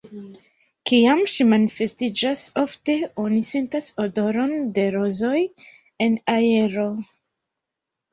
Kiam ŝi manifestiĝas, ofte oni sentas odoron de rozoj en aero.